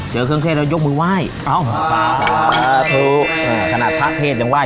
เจอเครื่องเทศแล้วยกมือไหว้เอ้าถูกขนาดพระเทศยังไห